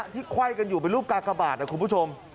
ที่ไขว้กันอยู่เป็นลูกกากบาดครับคุณผู้ชม